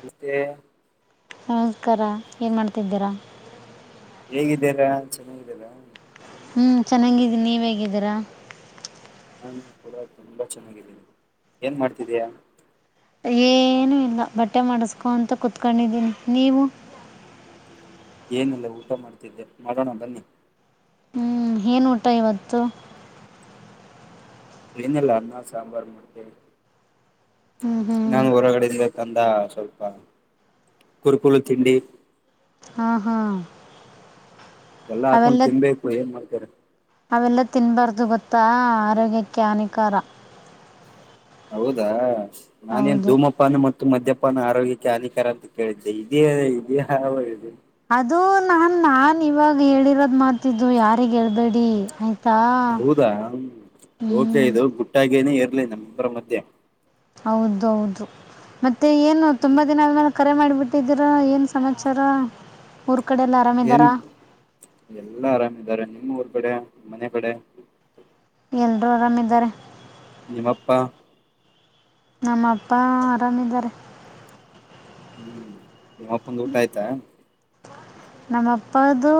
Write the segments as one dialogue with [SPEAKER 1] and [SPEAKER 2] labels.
[SPEAKER 1] ಎಂತೆ
[SPEAKER 2] ನಮಸ್ಕಾರ, ಏನ್ ಮಾಡ್ತಿದ್ದೀರಾ?
[SPEAKER 1] ಹೇಗಿದ್ದೀರಾ ಅ ಚೆನ್ನಾಗಿದ್ದೀರಾ?
[SPEAKER 2] ಹ್ಮ ಚೆನ್ನಾಗಿದ್ದೀನಿ, ನೀವ ಹೇಗಿದ್ದೀರಾ?
[SPEAKER 1] ನಾನು ಕೂಡ ತುಂಬ ಚೆನ್ನಾಗಿದ್ದೀನಿ, ಏನ್ ಮಾಡ್ತಿದೀಯಾ?
[SPEAKER 2] ಏನುೂ ಇಲ್ಲ ಬಟ್ಟೆ ಮಾಡಸ್ಕೊಂತ ಕುೂತ್ಕೊಂಡಿದ್ದೀನಿ, ನೀವು?
[SPEAKER 1] ಏನಲ್ಲ ಊಟ ಮಾಡ್ತಿದ್ದೆ, ಮಾಡೋಣ ಬನ್ನಿ.
[SPEAKER 2] ಹ್ಞೂ ಏನು ಊಟ ಇವತ್ತು?
[SPEAKER 1] ಏನಿಲ್ಲ ಅನ್ನ ಸಾಂಬಾರ, ಮತ್ತೆ
[SPEAKER 2] ಹ್ಞೂ ಹ್ಞೂ
[SPEAKER 1] ನಾನು ಹೊರಗಡೆಯಿಂದ ತಂದ ಸ್ವಲ್ಪ ಕುರುಕುಲು ತಿಂಡಿ
[SPEAKER 2] ಹಾ ಹಾ
[SPEAKER 1] ಎಲ್ಲ ಹಾಕೊಂಡ್ ತಿನ್ಬೇಕು ಏನ್ ಮಾಡ್ಬೇಕು. [unintelligible]
[SPEAKER 2] ಅವೆಲ್ಲ ತಿನ್ನಬಾರ್ದು ಗೊತ್ತಾ, ಆರೋಗ್ಯಕ್ಕೆ ಹಾನಿಕಾರ.
[SPEAKER 1] ಹೌದಾ ನಾನೇನ್
[SPEAKER 2] ಹೌದು
[SPEAKER 1] ಧೂಮಪಾನ ಮತ್ತು ಮದ್ಯಪಾನ. ಪಾನ ಆರೋಗ್ಯಕ್ಕೆ ಹಾನಿಕಾರ ಅಂತ ಕೇಳಿದ್ದೆ ಇದೇ ಇದೇ ಇ
[SPEAKER 2] ಅದು ನಾನ್ ನಾನ್ ಇವಾಗ ಹೇಳಿರೋದ್ ಮಾಡಿತಿದ್ದು ಯಾರಿಗ ಹೇಳ್ಬೇಡಿ ಆಯ್ತು
[SPEAKER 1] ಹೌದಾ ಓ
[SPEAKER 2] ಹ್ಞೂ
[SPEAKER 1] ಇದು ಗುಟ್ಟಾಗನೆ ಇ ನಮ್ಮ ಇಬರ ಮಧ್ಯೆ.
[SPEAKER 2] ಹೌದುೌದು ಮತ್ತೆ ಮತ್ತೆ ಏನು ತುಂಬಾ
[SPEAKER 1] ಹ್ಮ್.
[SPEAKER 2] ದಿನ ಆದ್ಮೇಲೆ ಕರೆ ಮಾಡಿಬಿಟ್ಟು ಬಿಟ್ಟಿದರ, ಏನ್ ಸಮಾಚಾರರ್?
[SPEAKER 1] ಏನ್ ಎಲ್ಲಾ ಆರಾಮಿದ್ದಾರೆ, ನಿಮ್ಮ ಊರ್ ಕಡೆ ಮನೆ ಕಡೆ?
[SPEAKER 2] ಎಲ್ರೂ ಆರಾಮ್ ಇದ್ದಾರೆ.
[SPEAKER 1] ನೀಮ್ಮಪ್ಪಾ?
[SPEAKER 2] ನಮ್ಮ ಅಪ್ಪ ಆರಾಮಿದ್ದಾರೆ.
[SPEAKER 1] ಹ್ಮ್ ನಿಮ್ ಅಪ್ಪಂದ್ ಊಟ ಆಯ್ತಾ?
[SPEAKER 2] ನಮ್ಮಪ್ಪದುೂ,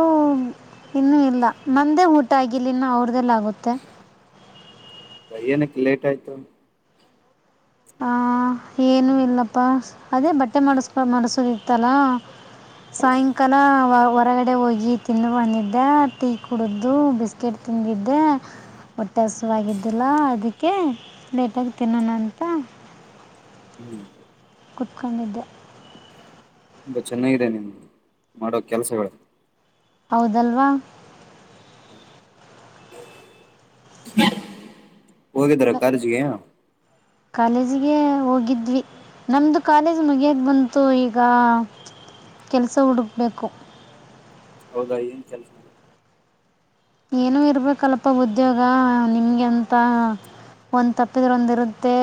[SPEAKER 2] ಇನ್ನುೂ ಇಲ್ಲ ನಂದೇ ಊಟ ಆಗಿಲನ್ನ ಅವ್ರದೆಲ್ಲ ಆಗುತ್ತೆ.
[SPEAKER 1] ಏನಕ್ಕೆ ಲೇಟ್ ಆಯ್ತು?
[SPEAKER 2] ಹ ಏನು ಇಲ್ಲಪ್ಪಾ ಅದೇ ಬಟ್ಟೆ ಮಾಡಸ್ ಮಾಡಸೋದಿತ್ತಲ. ಸಾಯಂಕಾಲ ವ ಹೊರಗಡೆ ಹೋಗಿ ತಿನ್ನುಂದಿದ್ದೆ, ಟೀ ಕುಡಿದ್ದು ಬಿಸ್ಕೆಟ್ ತಿಂದಿದ್ದೆ ಹೊಟ್ಟೆ ಹಸುವಾಗಿದ್ದಿಲ್ಲ, ಅದಕ್ಕೆ ಲೇಟಾಗಿ ತಿನ್ನೋಣಂತ ಹಂ
[SPEAKER 1] ಹ್ಮ್
[SPEAKER 2] ಕುತ್ಕೊಂಡಿದ್ದೆ
[SPEAKER 1] ತುಂಬ ಚೆನ್ನಾಗಿದೆ. ನಿಮ್ಮದ ಮಾಡೋ ಕೆಲಸಗಳು
[SPEAKER 2] ಹೌದಲ್ವಾ
[SPEAKER 1] ಹೋಗಿದ್ರಾ
[SPEAKER 2] ಮ-
[SPEAKER 1] ಕಾಲೇಜ್ಗೆ?
[SPEAKER 2] ಕಾಲೇಜಿಗೆ ಹೋಗಿದ್ವಿ, ನಮ್ದು ಕಾಲೇಜ್ ಮಗಿಯಾಕ ಬಂತು, ಈಗ ಕೆಲಸ ಹುಡುಕಬೇಕು.
[SPEAKER 1] ಹೌದ ಏನ್ ಕೆಲಸಾ
[SPEAKER 2] ಏನು ಇರ್ಬೇಕಲ್ಪ್ಪ ಉದ್ಯೋಗ ನಿಮ್ಗೆಂತ ಒಂದ್ ತಪ್ಪಿದ್ರೊಂದ ಇರುತ್ತೆ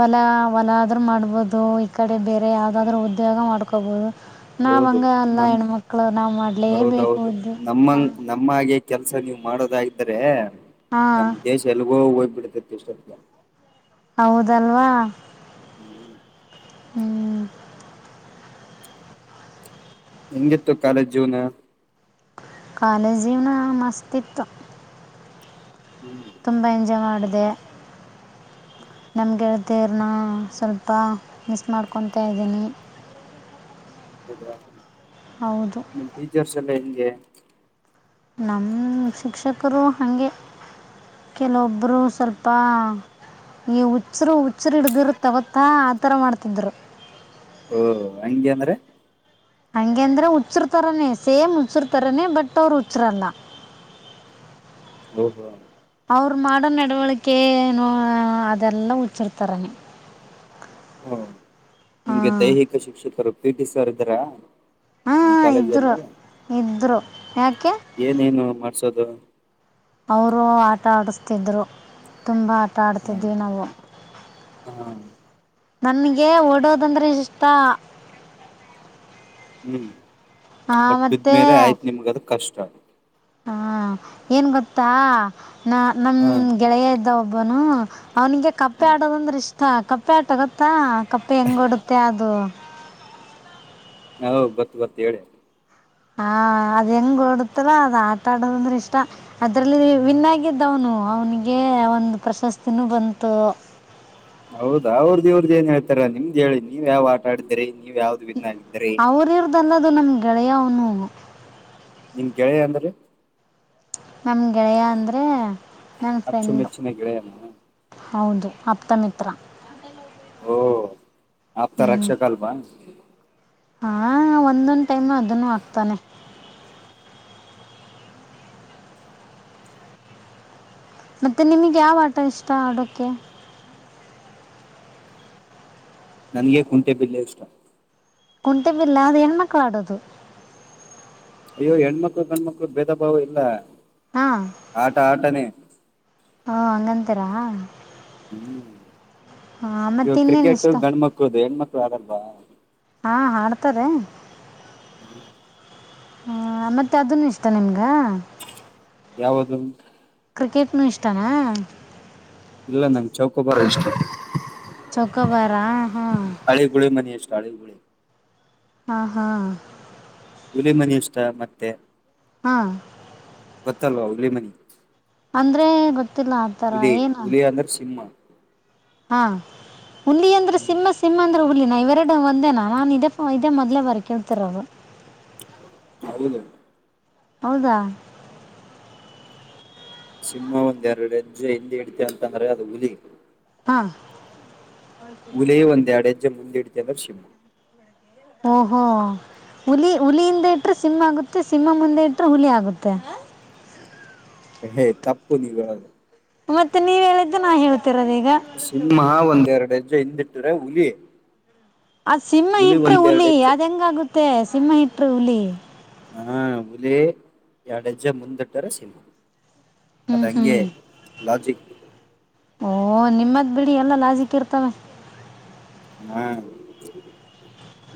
[SPEAKER 2] ಹೊಲ ಹೊಲ ಆದ್ರೂ ಮಾಡ್ಬಹದು ಈ ಕಡೆ ಬೇರೆ ಯಾವ್ದಾದ್ೂ ಉದ್ಯೋಗ ಮಾಡ್ಕೊಬಹುದು ನಾವ
[SPEAKER 1] ಹೌದು
[SPEAKER 2] ಹಂಗ ಅಲ್ಲ
[SPEAKER 1] ನಮ್
[SPEAKER 2] ಹೆಣ್ಮಕ್ಳು ನಾವ್ ಮಾಡ್ಲೇ ಬೇಕು
[SPEAKER 1] ಹೌದೌದು
[SPEAKER 2] ಉದ್ದ್ ಹ
[SPEAKER 1] ನಮ್ಮಂಗ್ ನಮ್ಮ ಹಾಗೆ ಕೆಲ್ಸ ನೀವ ಮಾಡಿದಾಗಿದ್ರೆ
[SPEAKER 2] ಹಾಂ
[SPEAKER 1] ನಮ್ಮ ದೇಶ ಎಲ್ಲಿಗೋ ಒ [unintelligible]
[SPEAKER 2] ಹೌದಲ್ವಾ
[SPEAKER 1] ಹ್ಮ್
[SPEAKER 2] ಹ್ಮ್
[SPEAKER 1] ಹೆಂಗಿತ್ತು ಕಾಲೇಜ್ ಜೀವನ
[SPEAKER 2] ಕಾಲೇಜ ಜೀವನ ಮಸ್ತ್ ಇತ್ತು
[SPEAKER 1] ಹ್ಮ್
[SPEAKER 2] ತುಂಬಾ ಎಂಜಾಯ್ ಮಾಡದ ದೇ ನಮ್ಮಗೆಳತೆರಣಾ ಸ್ವಲ್ಪ ಮಿಸ್ ಮಾಡ್ಕೊತಾ ಇದ್ದೀನಿ
[SPEAKER 1] ಹೌದ್ರಾ
[SPEAKER 2] ಹೌದು
[SPEAKER 1] ನಿಮ್ಮ ಟೀಚರ್ಸ್ ಎಲ್ಲಾ ಹೆಂಗೆ [inaudible]
[SPEAKER 2] ನಮ್ಮ ಶಿಕ್ಷಕರು ಹಂಗೇ ಕೆಲವೊಬ್ಬರು ಸ್ವಲ್ಪ ಈ ಹುಚ್ಚರು ಹುಚ್ಚರು ಹಿಡದಿರತ ಗೊತ್ತಾ ಆತರಾ ಮಾಡ್ತಿದ್ರು
[SPEAKER 1] ಓ ಹಂಗೆ ಅಂದ್ರೆ
[SPEAKER 2] ಹಂಗಗೆ ಅಂದ್ರೆ ಹುಚ್ಚರ್ತರನೇ ಸೇಮ್ ಹುಚ್ಚರ್ತರನೇ ಬಟ್ ಅವರ ಹುಚ್ಚ್ರಲ್ಲ
[SPEAKER 1] ಹೌದಾ
[SPEAKER 2] ಅವ್ರು ಮಾಡೋ ನಡವಳಿಕೆ ಏನೋ ಅದೆಲ್ಲ ಹುಚ್ಚರತರಾಣೆ
[SPEAKER 1] ಹಾ ನಿಮ್ಗೆ ದೈಹಿಕ ಶಿಕ್ಷಕರು ಪಿ ಟಿ ಸರ ಇದ್ರಾ
[SPEAKER 2] ಹಾ ಇದ್ರು ಇದ್ರು ಯಾಕೆ
[SPEAKER 1] ಏನೇನು ಮಾಡ್ಸೋದು
[SPEAKER 2] ಅವರು ಆಟ ಆಡಸ್ತಿದ್ರು ತುಂಬಾ ಆ ಆಟ
[SPEAKER 1] ಹ
[SPEAKER 2] ಆಡ್ತಿದ್ದ್ವಿ ನಾವು
[SPEAKER 1] ಹ
[SPEAKER 2] ನಮಗೆ ಓಡೋದಂದ್ರೆ ಇಷ್ಟ
[SPEAKER 1] ಹ್ಮ್ ಬಟ್
[SPEAKER 2] ಮತ್ತು
[SPEAKER 1] ಬಿದ್ಮೇಲೆ ಆಯ್ತು ನಿಮ್ಗ ಅದ ಕಷ್ಟ ಅ
[SPEAKER 2] ಹಾ ಏನ್ ಗೊತ್ತಾ ನ ನಮ್
[SPEAKER 1] ಹ
[SPEAKER 2] ಗೆಳೆಯ ಇದ್ದ ಒಬ್ಬ ವ್ನು ಅವನಿಗೆ ಕಪ್ಪೆ
[SPEAKER 1] ಹ್ಮ್
[SPEAKER 2] ಆಡೋದಂದ್ರೆ ಇಷ್ಟ ಕಪ್ಪ ಪೇಟ ಗೊತ್ತಾ ಕಪ್ಪೆ ಹೆಂಗ್ ಓಡುತ್ತೆ ಅದು
[SPEAKER 1] ಹ ಹೌ ಗೊತ್ತ್ಗೊತ್ತು ಹೇಳಿ
[SPEAKER 2] ಹಾ ಅದ್ ಹೆಂಗ ಓಡುತ್ತಲ್ಲ ಅದ ಆಟಾ ಆಡೋದಂದ್ರೆ ಇಷ್ಟ ಅದ್ರಲ್ಲಿ ವಿನ್ನಾಗಿದ್ದವನು ಅವ್ನಿಗೆ ಒಂದು ಪ್ರಶಸ್ತಿನೂ ಬಂತು
[SPEAKER 1] ಹೌದಾ ಅವ್ರದ್ದ ಇವ್ರದ್ದ ಏನ್ ಹೇಳ್ತಾರ ನಿಮ್ದು ಹೇಳಿ ನೀವು ಯಾವ್ ಆಟಾಡಿತಿರಿ ನೀವು ಯಾವ್ದ್ ವಿನ್ನಾಗಿದ್ದರಿ?
[SPEAKER 2] ಅನ್ನೋದು ನನ್ ಗೆಳೆಯ ಅವನು?
[SPEAKER 1] ನಿನ್ ಗೆಳೆಯ ಅಂದ್ರ
[SPEAKER 2] ನನ್ ಗೆಳೆಯ ಅಂದ್ರೆ
[SPEAKER 1] ಅಚ್ಚುಮೆಚ್ಚಿನ ಗ್ರೇನ್
[SPEAKER 2] ಹೌದು ಆಪ್ತಮಿತ್ರ
[SPEAKER 1] ಓ ಆಪ್ತ ರಕ್ಷಕ ಅಲ್ವಾ
[SPEAKER 2] ಹಾ ಒಂದೊಂದ್ ಟೈಮ್ ಅದನ್ನು ಹಾಕ್ತಾನೆ. ಮತ್ತೆ ನಿಮ್ಗೆ ಯಾವ ಆಟ ಇಷ್ಟ ಆಡೋಕ್ಕೆ
[SPEAKER 1] ನನ್ಗೆ ಕುಂಟೆ ಬಿಲ್ಲೆ ಇಷ್ಟ
[SPEAKER 2] ಕುಂಟೆ ಬಿಲ್ಲೆ ಅದು ಹೆಣ್ಮಕ್ಳು ಆಡದು.
[SPEAKER 1] ಅಯ್ಯೋ ಹೆಣ್ಮಕ್ಳು ಗಂಡ್ಮಕ್ಳು ಭೇದ ಭಾವ ಇಲ್ಲ. ಆಟ ಆಟನೆ
[SPEAKER 2] ಅ ಹಂಗಂತಿರಾ
[SPEAKER 1] ಹ್ಮ್
[SPEAKER 2] ಮತ್ತು
[SPEAKER 1] ಇವಾಗ
[SPEAKER 2] ಇನ್ನೇನು
[SPEAKER 1] ಕ್ರಿಕೆಟ್
[SPEAKER 2] ಇಷ್ಟ
[SPEAKER 1] ಗಂಡ್ಮಕ್ಳದು ಹೆಣ್ಮಕ್ಳು. ಆಡಲ್ವಾ
[SPEAKER 2] ಹಾ ಆಡ್ತಾರೆ.
[SPEAKER 1] ಹ್ಮ
[SPEAKER 2] ಹ ಮತ್ತೆ ಅದನ್ನು ಇಷ್ಟ ನಿಮ್ಗ.
[SPEAKER 1] ಯಾವದು?
[SPEAKER 2] ಕ್ರಿಕೆಟ್ನುೂ ಇಷ್ಟನಾ
[SPEAKER 1] ಇಲ್ಲ ನಂಗೆ ಚೌಕೊಬಾರ್ ಇಷ್ಟ
[SPEAKER 2] ಚೌಕೋಬಾರಾ
[SPEAKER 1] ಹಳಿ ಗುಳಿ ಮನೆಷ್ಟು? ತಾಳಿ ಗುಳಿ
[SPEAKER 2] ಹಾ ಹಾ
[SPEAKER 1] ಹುಲಿ ಮನಷ್ಟ ಮತ್ತೆ
[SPEAKER 2] ಹಾ
[SPEAKER 1] ಗೊತ್ತಲ್ವಾ ಹುಗ್ಲಿ ಮನಿ
[SPEAKER 2] ಅಂದ್ರೆ ಗೊತ್
[SPEAKER 1] ಹುಲಿ ಹುಲಿ ಅದ್ಮೇಲ್ ಸಿಂಹ ಹ [inaudible]
[SPEAKER 2] ಹಾ ಹುಲಿ ಅಂದ್ರೆ
[SPEAKER 1] ಹ್ಮ್
[SPEAKER 2] ಸಿಂಹ ಸಿಂಹ ಅಂದ್ರ ಹುಲಿ ನ ಇವರಡ ಒಂದೇನಾ ನಾನು ಇದೇ ಇದೇ ಮೊದಲೇ ಬರ್ಕಳ್ತರದು.
[SPEAKER 1] ಹೌದು.
[SPEAKER 2] ಹೌದಾ
[SPEAKER 1] ಸಿಂಹ ಒಂದ್ ಎರಡು ಹೆಜ್ಜೆ ಹಿಂದಿ ಹಿಡಿತ ಅಂತಂದ್ರೆ ಅದು ಹುಲಿ.
[SPEAKER 2] ಹಾ
[SPEAKER 1] ಹುಲಿ ಒಂದು ಎಡತ್ ಜಮ್ಮ ಮುಂದ ಇಡಿ ಜಲ್ಲ ಶಿಮು [unintelligible]
[SPEAKER 2] ಓಹೋ ಹುಲಿ ಹುಲಿಯಿಂದ ಇಟ್ರೆ ಸಿಂಹ ಆಗುತ್ತೆ ಸಿಂಹ ಮುಂದೆ ಇಟ್ರೆ ಹುಲಿ ಆಗುತ್ತೆ
[SPEAKER 1] ಹೇ ತಪ್ಪು ನೀವೆಳದು
[SPEAKER 2] ಮತ್ತೆ ನೀವ್ ಹೇಳಿದ್ದೆ ನಾ ಹಳದ್
[SPEAKER 1] ಸಿಂಹ ಒಂದ ಎರಡೆಜ್ ಜೆ ಹಿಂದಿಟ್ಟರೆ ಹುಲಿ
[SPEAKER 2] ಆ ಸಿಂಹ ಇಟ್ರೆ
[SPEAKER 1] ಒಂದ್ ಎರಡ್
[SPEAKER 2] ಹುಲಿ
[SPEAKER 1] ಹೆಜ್ಜೆ
[SPEAKER 2] ಅದ ಹೆಂಗಗುತ್ ತ್ತೆ ಸಿಂಹ ಇಟ್ರ್ ಹುಲಿ
[SPEAKER 1] ಹಾಂ ಹುಲಿ ಎರಡಜ್ ಮುಂದಿಟ್ಟರೆ ಸಿಂಹ ಅದ
[SPEAKER 2] ಹ್ಮ್ ಹ್ಮ್
[SPEAKER 1] ಹಂಗೆ ಲಾಜಿಕ್
[SPEAKER 2] ಓಹ ನಿಮ್ಮದ್ ಬಿಡಿ ಎಲ್ಲ ಲಾಜಿಕ್ ಇರ್ತವೆ
[SPEAKER 1] ಹ್ಮ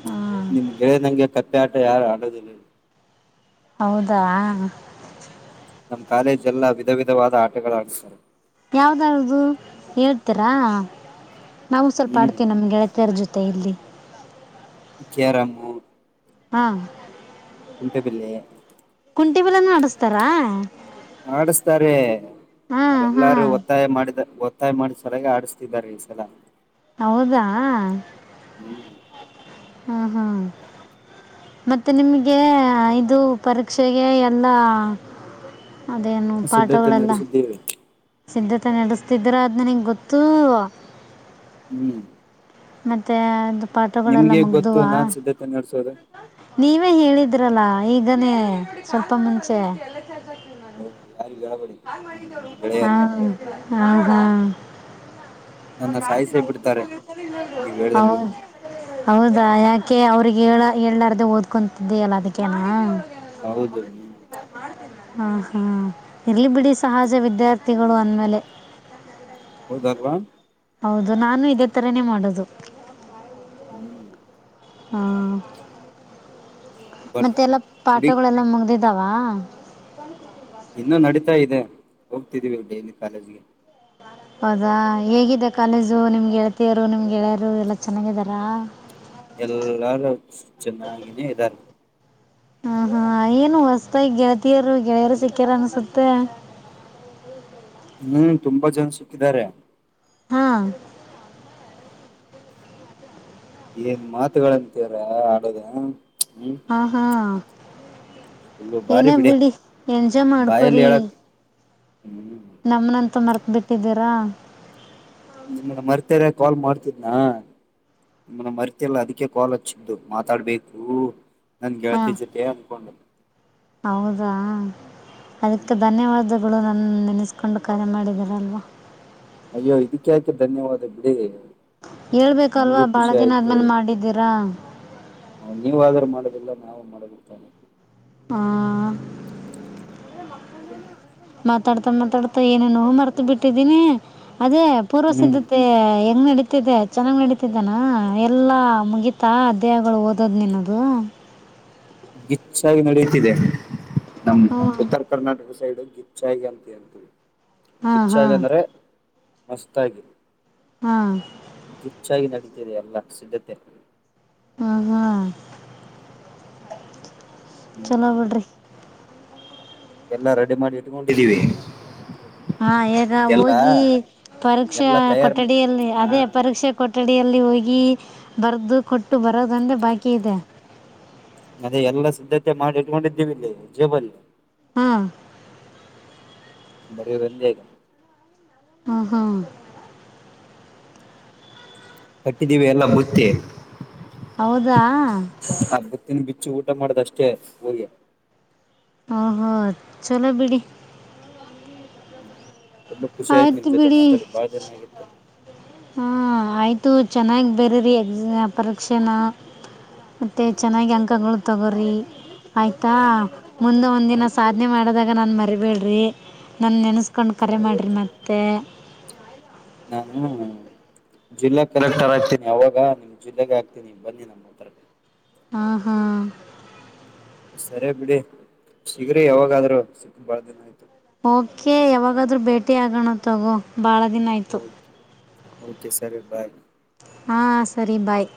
[SPEAKER 2] ಹಾ
[SPEAKER 1] ನಿಮ್ ಗೆಳೆ ನಂಗೆ ಕ ಬೇಟ ಯಾರು ಆಡೋದಿಲ್ಲ
[SPEAKER 2] ಹೌದಾ
[SPEAKER 1] ನಮ್ ಕಾಲೇಜ್ ಎಲ್ಲ ವಿಧ ವಿಧವಾದ ಆಟಗಳು ಆಡ್ ಸ್ತಾರೆ
[SPEAKER 2] ಯಾವ್ದಾದ್ದು ಹೇಳ್ತೀರಾ ನಾವು ಸ್ವಲ್ಪ
[SPEAKER 1] ಹ್ಮ್
[SPEAKER 2] ಆಡ್ತೇವಿ ನಮ್ಗೆಳತೆಯರ ಜೊತೆ ಇಲ್ಲಿ
[SPEAKER 1] ಕೇರಮು
[SPEAKER 2] ಹಾ
[SPEAKER 1] ಕುಂಟೆ ಬಿಲ್ಲೆ
[SPEAKER 2] ಕುಂಟೆ ಬಿಲ್ಲೆನು ಆಡುಸ್ತಾರ
[SPEAKER 1] ಮಾಡಿಸ್ತಾರೆ
[SPEAKER 2] ಹಾ ಹಾ
[SPEAKER 1] ನಾವೆಲ್ಲಾರು ಒತ್ತಾಯ ಮಾಡಿದ ಒತ್ತಾಯ ಮಾಡಿ ಸರಿಯಾಗಿ ಆಡಿಸ್ತಿದ್ದಾರ್ ಈ ಸಲ.
[SPEAKER 2] ಹೌದಾ.
[SPEAKER 1] ಹ್ಮ್
[SPEAKER 2] ಹ್ಮ್ ಹ್ಮ್. ಮತ್ತೆ ನಿಮ್ಗೆ ಇದು ಪರೀಕ್ಷೆಗೆ ಎಲ್ಲ. ಅದೇನು
[SPEAKER 1] ಸಿದ್ಧತೆ
[SPEAKER 2] ಪಾಠಗಳೆಲ್ಲ.
[SPEAKER 1] ನಡೆಸಿದ್ದೇವೆ
[SPEAKER 2] ಸಿದ್ಧತೆ ನಡೆಸ್ತಿದ್ದೀರಾ ಅದ್ ನನಗೆ ಗೊತ್ತೂ.
[SPEAKER 1] ಹ್ಮ್.
[SPEAKER 2] ಮತ್ತೆ.
[SPEAKER 1] ನಿಮ್ಗೆಗ್ ಗೊತ್ತು ನಾನ್ ಸಿದ್ಧತೆ ನಡ್ಸೋದ.
[SPEAKER 2] ನೀವೇ ಹೇಳಿದ್ರಲ್ಲ ಈಗನೇ ಸ್ವಲ್ಪ ಮುಂಚೆ.
[SPEAKER 1] ಹ್ಮ.
[SPEAKER 2] ಹಾ. ಆಗಾ.
[SPEAKER 1] ನನ್ನ ಸಾಯಿಸೇ ಬಿಡ್ತಾರೆ ನೀವ್ ಹೇಳ್ದಾರ್ಗೆ
[SPEAKER 2] ಹೌದು. ಹೌದಾ ಯಾಕೆ ಅವ್ರಿಗೆ ಹೇಳ ಹೇಳಾರ್ದೇ ಓದ್ಕೊಂತಿದ್ದೆಯಲ್ಲ ಅದಕ್ಕೆನಾ.
[SPEAKER 1] ಹೌದು ಹ್ಮ್.
[SPEAKER 2] ಹ ಹಾ ಇರ್ಲಿ ಬಿಡಿ ಸಹಜ ವಿದ್ಯಾರ್ಥಿಗಳು ಅಂದಮೇಲೆ.
[SPEAKER 1] ಹೌದಲ್ವಾ.
[SPEAKER 2] ಹೌದು ನಾನು ಇದೇ ತರಾನೇ ಮಾಡೋದು.
[SPEAKER 1] ಹ್ಮ್.
[SPEAKER 2] ಹಾ.
[SPEAKER 1] ಬಟ್
[SPEAKER 2] ಮತ್ತೆ
[SPEAKER 1] ಹುಡಿ
[SPEAKER 2] ದವಾ.
[SPEAKER 1] ಇನ್ನುೂ ನಡೀತಾ ಇದೆ ಹೋಗ್ತಿದ್ದೀವಿ ಡೈಲಿ ಕಾಲೇಜ್ಗೆ.
[SPEAKER 2] ಹೌದಾ ಹೇಗಿದೆ. ಕಾಲೇಜು
[SPEAKER 1] ಹ್ಮ್
[SPEAKER 2] ನಿಮ್ಗೆಳಳ್ತಿಯರು ನಿಮ್. ಗೆಳೆಯರು ಎಲ್ಲ ಚೆನ್ನಾಗಿದಾರಾ.
[SPEAKER 1] ಎಲ್ಲಾರು ಚೆನ್ನಾಗಿನೇ ಇದಾರೆ.
[SPEAKER 2] ಹ ಹಾ ಏನು ಹೊಸತಾಗಿ ಗೆಳತಿಯರು ಗೆಳೆಯರು ಸಿಕ್ಕ್ಯಾರ ಅನ್ಸುತ್ತೆ.
[SPEAKER 1] ಹ್ಮ್ ತುಂಬಾ ಜನ ಸಿಕ್ಕಿದ್ದಾರೆ.
[SPEAKER 2] ಹಾ.
[SPEAKER 1] ಏನ್ ಮಾತುಗಳಂತೀರ ಆಡದ.
[SPEAKER 2] ಹಾ ಹಾ.
[SPEAKER 1] ಫುಲ್ಲು ಬಾರಿ
[SPEAKER 2] ಏನೇ ಬಿಡಿ
[SPEAKER 1] ಬಾಯಲ್ಲಿ ಹೇಳಕ್ ಹ್ಮ್
[SPEAKER 2] ನಮ್ಮನ್ನಂತೂ ಮರ್ತು ಬಿಟ್ಟಿದ್ದೀರಾ.
[SPEAKER 1] ನಿಮ್ಮನ್ನ ಮರ್ತಿರೇ ಕಾಲ್ ಮಾಡ್ತಿದ್ನಾ ನಿಮ್ಮನ್ನ ಮರ್ತಿಲ್ಲ ಅದಕ್ಕೆ ಕಾಲ್ ಹಚ್ಚಿದ್ದು ಮಾತಾಡ್ಬೇಕು. ನಾನ್ ಗೆಳತಿ
[SPEAKER 2] ಹಾಂ
[SPEAKER 1] ಜೊತೆ ಅನ್ಕೊಂಡು.
[SPEAKER 2] ಹೌದಾ ಅದಕ್ಕೆ ಧನ್ಯವಾದಗಳು ನನ್ನ ಅನಿಸ್ಕೊಂಡು ಕರೆ ಮಾಡಿದಾರಲ್ವಾ
[SPEAKER 1] ಅಯ್ಯೋ ಇದಕ್ಕೆ ಯಾಕೆ ಧನ್ಯವಾದ ಬಿಡಿ
[SPEAKER 2] ಹೇಳ್ಬೇಕಲ್ವಾ
[SPEAKER 1] ನನ್ಗೂ
[SPEAKER 2] ಬಾಳ
[SPEAKER 1] ಖುಷಿ
[SPEAKER 2] ದಿನ
[SPEAKER 1] ಆಯ್ತು
[SPEAKER 2] ಆದ್ಮೇಲೆ ಮಾಡಿದ್ದೀರಾ
[SPEAKER 1] ನೀವಾದ್ರೂ ಮಾಡೋದಿಲ್ಲ ನಾವು ಮಾಡಗುತ್ತೇನೆ
[SPEAKER 2] ಹಾ
[SPEAKER 1] [inaudible]
[SPEAKER 2] ಮಾತಾಡ್ತಾ ಮಾತಾಡ್ತಾ ಏನೇ ನೋವು ಮರ್ತ ಬಿಟ್ಟಿದೀನಿ ಅದೇ
[SPEAKER 1] ಹ್ಮ್
[SPEAKER 2] ಪೂರ್ವಸಿದ್ಧತೆ ಹೆಂಗ್ ನಡ ನಡತಿದ್ದೆ ಚೆನ್ನಾಗ್ ನಡೀತಿದ್ದಾನ ಎಲ್ಲಾ ಮುಗಿತಾ ದೇಹಗಳು ಓದೋದ್ ನಿನ್ನದು
[SPEAKER 1] ಗಿಚ್ಚಾಗಿ ನಡೆಯುತ್ತಿದೆ ನಮ್
[SPEAKER 2] ಹ್ಞೂ
[SPEAKER 1] ಉತ್ತರ ಕರ್ನಾಟಕ ಸೈಡು ಗಿಚ್ಚಾಗಿ ಅಂತ ಅಂತವಿ
[SPEAKER 2] ಹಾಂ
[SPEAKER 1] ಗಿಚ್ಚಗಿ
[SPEAKER 2] ಹಾಂ
[SPEAKER 1] ಅಂದ್ರೆ ಮಸ್ತಾಗಿ
[SPEAKER 2] ಹಾಂ
[SPEAKER 1] ಗಿಚ್ಚಾಗಿ ನಡ ಸರಿ ಎಲ್ಲ ಸಿದ್ಧತೆ
[SPEAKER 2] ಹ್ಮ ಹ್ಮ
[SPEAKER 1] ಹ್ಮ್
[SPEAKER 2] ಚಲಾಗ್ ಬಿಡ್ರಿ.
[SPEAKER 1] ಎಲ್ಲಾ ರೆಡಿ ಮಾಡಿ ಇಟ್ಕೊಂಡಿದ್ದೀವಿ.
[SPEAKER 2] ಹಾ ಈಗ ಹೋಗಿ ಪರೀಕ್ಷೆ
[SPEAKER 1] ಎಲ್ಲಾ ತಯಾರ್
[SPEAKER 2] ಕೊಠಡಿಯಲ್ಲಿ
[SPEAKER 1] ಹಾ
[SPEAKER 2] ಅದೇ ಪರೀಕ್ಷೆ ಕೊಠಡಿ. ಅಡಲ್ಲಿ ಹೋಗಿ ಬರೆದು ಕೊಟ್ಟು ಬರೋದಂದೆ ಬಾಕಿ ಇದೆ.
[SPEAKER 1] ಅದೇ ಎಲ್ಲಾ ಸಿದ್ಧತೆ ಮಾಡಿ ಇಟ್ಕೊಂಡಿದ್ದೇವಿ ಇಲ್ಲಿ ಜೇಬಲ್ಲಿ
[SPEAKER 2] ಹ
[SPEAKER 1] ಬರವೆಂದೇಗ
[SPEAKER 2] ಹ್ಮ ಹಾ
[SPEAKER 1] ಕಟ್ಟಿದ್ದೀವಿ ಎಲ್ಲ ಬುತ್ತಿ.
[SPEAKER 2] ಹೌದಾ
[SPEAKER 1] ತ್ತನ್ನು ಬಿಚ್ಚು ಊಟ ಮಾಡೋದಷ್ಟೇ ಹಗೆ
[SPEAKER 2] ಹ ಚಲೋ ಬಿಡಿ
[SPEAKER 1] ಹ್ಮ್ ಕಣ್ಣು ಖುಷಿ ಆಯ್ತು ನಿ
[SPEAKER 2] ಆಯಿತು
[SPEAKER 1] ಜೊತೆ ಮಾತಾಡಿ ಬಳ ಜನ ಆಗಿತ್ತ
[SPEAKER 2] ಹ ಆಯಿತು ಚೆನ್ನಾಗಿ ಬೇರೀ ಎಕ್ಸ ಪರೀಕ್ಷೆನ ಮತ್ತೆ
[SPEAKER 1] ಹ್ಮ
[SPEAKER 2] ಚೆನ್ನಾಗಿ ಅಂಕಗಳು ಸತಗರಿ ಆಯ್ತಾ
[SPEAKER 1] ಹಾ
[SPEAKER 2] ಮುಂದೆ ಒಂದ ದಿನ
[SPEAKER 1] ಆಯ್ತು
[SPEAKER 2] ಸಾಧನೆ ಮಾಡಿದಾಗ ನಾನು ಮರಿಬೇಡ. [unintelligible] ನಾನ ನೆನೆಸ್ಕೊಂಡು ಕರೆ ಮಾಡ್ರಿ
[SPEAKER 1] ಓಕೆ
[SPEAKER 2] ಮತ್ತೆ
[SPEAKER 1] ಜಿಲ್ಲೆ ಕಲೆಕ್ಟರ್ ಆಗ್ತೀನಿ ಅವಾಗ ನಿಮ್ ಜಿಲ್ಲೆಗೆ ಹ ಆಗ್ತೀನಿ ಬನ್ನಿ ನಮ್ಮ ಹತ್ರ
[SPEAKER 2] ಹಾ ಹಾ
[SPEAKER 1] ಸರಿ ಬಿಡಿ ಸಿಗ್ರ ಯಾವಾಗಾದ್ರೂ ಸಿಕ್ಕ ಬಾಳ ದಿನ ಆಯ್ತು.
[SPEAKER 2] ಓಕೆ ಯಾವಾಗಾದ್ರೂ ಭೇಟಿ ಆಗೋಣ ತಗೋ ಭಾಳ ದಿನ ಆಯಿತು.
[SPEAKER 1] ಓಕೆ ಓಕೆ ಸರಿ ಬಾಯ್.
[SPEAKER 2] ಹಾ ಸರಿ ಬಾಯ್.